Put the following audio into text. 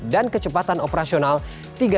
dan kecepatan operasionalnya